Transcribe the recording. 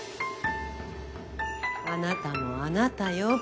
あなたもあなたよ。